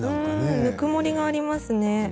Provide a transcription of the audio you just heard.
ぬくもりがありますね。